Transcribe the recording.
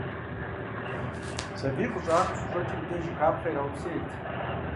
Сабий къыщӀанэу щыщӀэкӀым и деж, жыхапхъэ ираупсейрт.